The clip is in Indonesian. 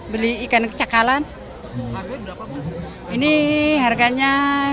beli ikan kecakalan ini harganya